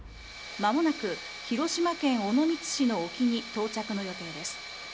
間もなく広島県尾道市の沖に到着の予定です。